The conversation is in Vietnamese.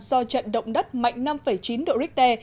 do trận động đất mạnh năm chín độ richter